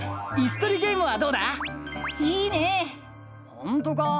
ほんとか？